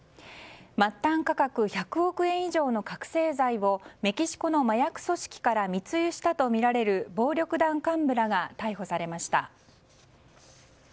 末端価格１００億円以上の覚醒剤をメキシコの麻薬組織から密輸したとみられる暴力団幹部らが逮捕されました。